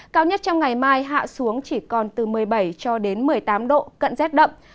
cao nhất trong ngày mai hạ xuống chỉ còn từ một mươi bảy cho đến một mươi tám độ cận rét đậm